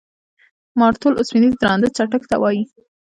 مارتول اوسپنیز درانده څټک ته وایي.